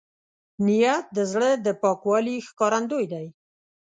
نیت د زړه د پاکوالي ښکارندوی دی.